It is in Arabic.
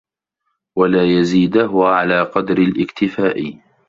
وَلَا يَزِيدَهُ عَلَى قَدْرِ الِاكْتِفَاءِ